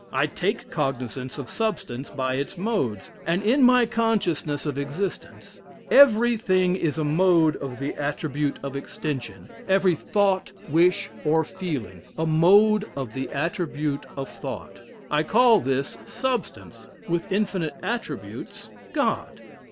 I take cognizance of substance by its modes, and in my consciousness of existence. Every thing is a mode of the attribute of extension, every thought, wish, or feeling, a mode of the attribute of thought. I call this, substance, with infinite attributes, God."